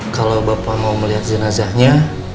kalau bapak mau melihat jenazahnya